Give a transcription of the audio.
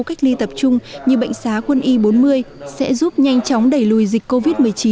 cách ly tập trung như bệnh xá quân y bốn mươi sẽ giúp nhanh chóng đẩy lùi dịch covid một mươi chín